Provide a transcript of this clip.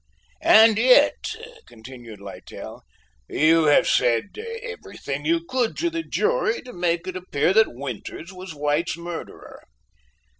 "And yet," continued Littell, "you have said everything you could to the jury to make it appear that Winters was White's murderer."